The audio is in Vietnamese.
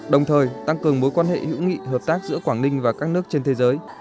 đồng thời tăng cường mối quan hệ hữu nghị hợp tác giữa quảng ninh và các nước trên thế giới